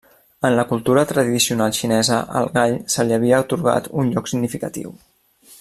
En la cultura tradicional xinesa, al gall se li havia atorgat un lloc significatiu.